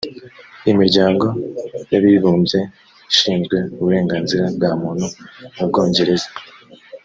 imiryango y abibumbye ishinzwe uburenganzira bwa muntu m ubwongereza